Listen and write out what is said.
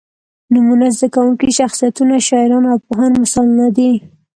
نومونه، زده کوونکي، شخصیتونه، شاعران او پوهان مثالونه دي.